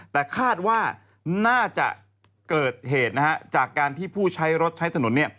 แต่คาดว่าน่าจะเกิดเหตุจากการที่ผู้ใช้รถใช้สนุน